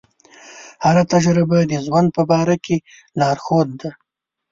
هره تجربه د ژوند په لاره کې لارښود ده.